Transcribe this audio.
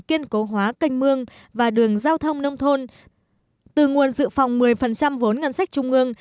kiên cố hóa canh mương và đường giao thông nông thôn từ nguồn dự phòng một mươi vốn ngân sách trung ương